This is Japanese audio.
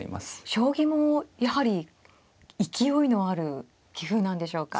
将棋もやはり勢いのある棋風なんでしょうか。